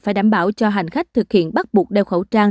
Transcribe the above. phải đảm bảo cho hành khách thực hiện bắt buộc đeo khẩu trang